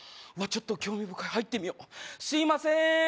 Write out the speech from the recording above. ちょっと興味深い入ってみようすいません